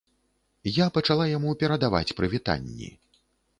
Я пачала яму перадаваць прывітанні.